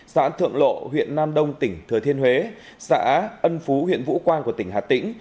xã thượng lộ huyện nam đông tỉnh thừa thiên huế xã ân phú huyện vũ quang của tỉnh hà tĩnh